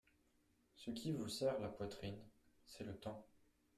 Ce qui vous serre la poitrine, c'est le temps.